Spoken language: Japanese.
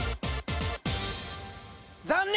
残念！